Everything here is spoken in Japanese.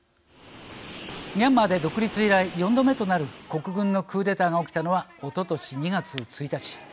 ミャンマーで独立以来４度目となる国軍のクーデターが起きたのは、おととし２月１日。